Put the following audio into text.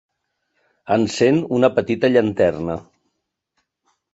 Encén una petita llanterna.